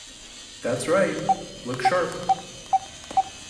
That’s right — look sharp.